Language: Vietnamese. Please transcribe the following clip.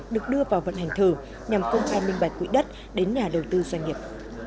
được đưa vào vận hành thường nhằm phong phai minh bạch quỹ đất đến nhà đầu tư doanh nghiệp